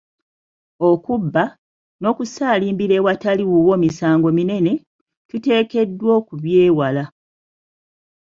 Okubba, n'okusaalimbira awatali wuwo misango minene, tuteekeddwa okubyewala.